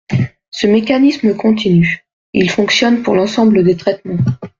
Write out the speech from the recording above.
Ce mécanisme continue, il fonctionne pour l’ensemble des traitements.